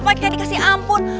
pake dikasih ampun